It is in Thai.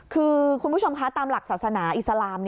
คือคุณผู้ชมคะตามหลักศาสนาอิสลาม